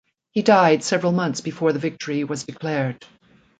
He died several months before the victory was declared.